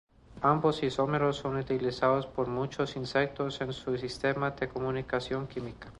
Ambos isómeros son utilizados por muchos insectos en su sistema de comunicación química.